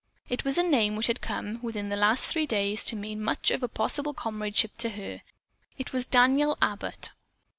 It was a name which had come, within the last three days, to mean much of possible comradeship to her. It was "Daniel Abbott."